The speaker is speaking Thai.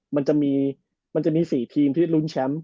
มันจะมี๔ทีมที่รุ้นแชมป์